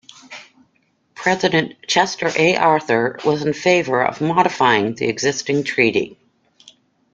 President Chester A. Arthur was in favor of modifying the existing treaty.